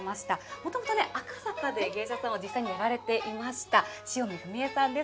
もともと赤坂で芸者さんを実際にやられていました、塩見ふみ枝さんです。